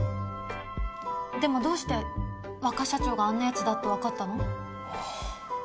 でもどうして若社長があんな奴だってわかったの？